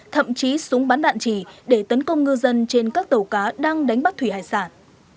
thậm chí súng bắn đạn trì để tấn công ngư dân trên các tàu cá đang đánh bắt thủy hải sản